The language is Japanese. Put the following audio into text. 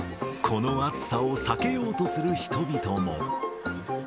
この暑さを避けようとする人々も。